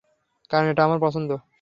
কারণ, এটা আমার পছন্দ।